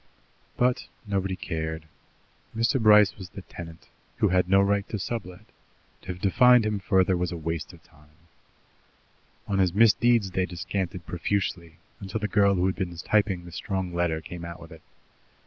But nobody cared. Mr. Bryce was the tenant, who had no right to sublet; to have defined him further was a waste of time. On his misdeeds they descanted profusely, until the girl who had been typing the strong letter came out with it. Mr.